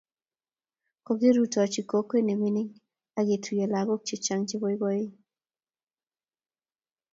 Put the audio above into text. Kokirutochi kokwet ne mining' ak ketuye lagok chechang' che poipoen